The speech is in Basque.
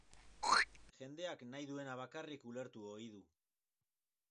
Jendeak nahi duena bakarrik ulertu ohi du.